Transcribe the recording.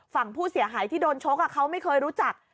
ฝั่งผู้เสียหายที่โดนชกเขาไม่เคยรู้จัก